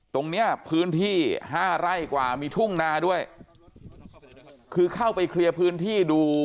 ตรงเนี้ยพื้นที่ห้าไร่กว่ามีทุ่งนาด้วยคือเข้าไปเคลียร์พื้นที่ดู